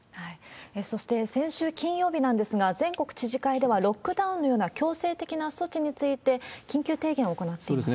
そして、先週金曜日なんですが、全国知事会ではロックダウンのような強制的な措置について、緊急提言を行っています。